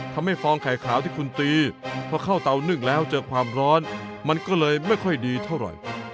ฟองไข่ขาวที่คุณตีพอเข้าเตานึ่งแล้วเจอความร้อนมันก็เลยไม่ค่อยดีเท่าไหร่